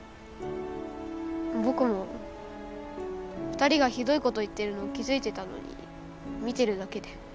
ボクも２人がひどいこと言ってるのに気づいてたのに見てるだけで。